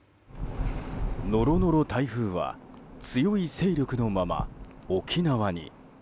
ノロノロ台風は強い勢力のまま沖縄に。